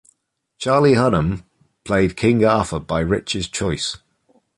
Charlie Hunnam played King Arthur by Ritchie's choice.